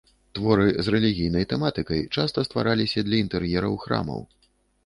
Творы з рэлігійнай тэматыкай часта ствараліся для інтэр'ераў храмаў.